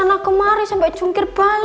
aku mau pergi dulu